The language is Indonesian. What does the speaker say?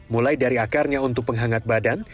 mulai dari akarnya untuk penghangat badan